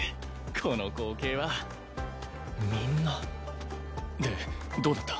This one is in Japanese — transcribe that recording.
この光景はみんなでどうだった？